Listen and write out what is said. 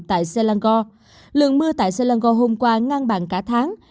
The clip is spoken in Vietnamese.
tại selagor lượng mưa tại selagor hôm qua ngang bằng cả tháng